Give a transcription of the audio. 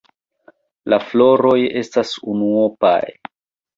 La floroj estas unuopaj.